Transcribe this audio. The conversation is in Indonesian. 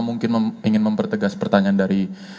mungkin ingin mempertegas pertanyaan dari